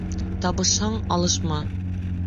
Табышһаң, алышма.